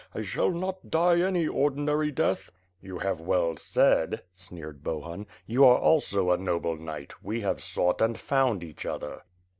I shall not die any ordinary death."' "You have well said," sneered Bohun, "you are also a noble knight, we have sought and found each other."